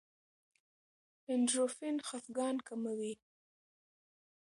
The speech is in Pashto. اندورفین خپګان کموي.